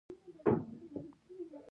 ټولو مېلمنو له خوړو قابونه ډک کړي وو.